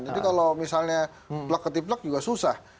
jadi kalau misalnya plek keti plek juga susah